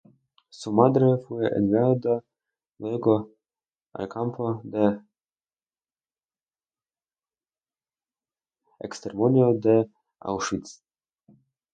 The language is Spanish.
Su madre fue enviada luego al campo de exterminio de Auschwitz.